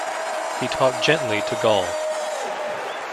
He talked gently to Gaul.